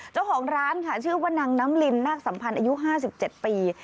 เจ้าของร้านค่ะชื่อว่านางน้ำลินนาคสัมพันธ์อายุ๕๗ปี